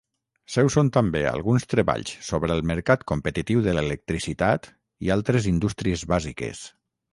Seus són també alguns treballs sobre el mercat competitiu de l'electricitat i altres indústries bàsiques.